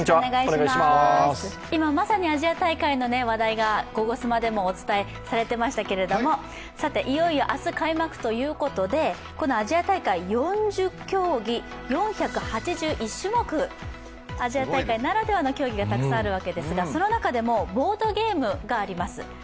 今、まさにアジア大会の話題が「ゴゴスマ」でもお伝えされていましたけど、いよいよ明日開幕ということでアジア大会、４０競技、４８１種目、アジア大会ならではの競技がたくさんあるわけですけれどもその中でもボードゲームがあります。